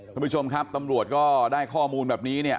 คุณผู้ชมครับตำรวจก็ได้ข้อมูลแบบนี้เนี่ย